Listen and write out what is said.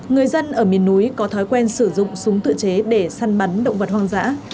người dân ở miền núi có thói quen sử dụng súng tự chế để săn bắn động vật hoang dã